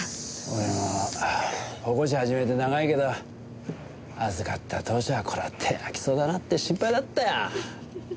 俺も保護司始めて長いけど預かった当初はこりゃ手を焼きそうだなって心配だったよ。